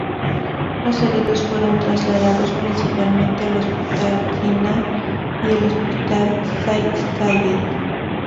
Los heridos fueron trasladados principalmente al Hospital Jinnah y el Hospital Shaikh Zayed.